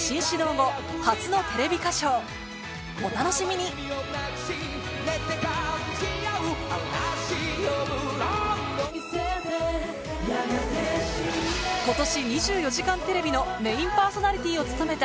見せてやがて今年『２４時間テレビ』のメインパーソナリティーを務めた